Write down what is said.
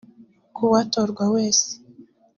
Ku watorwa wese